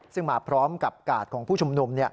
ซึ่งมาพร้อมกับกาดของผู้ชุมนุม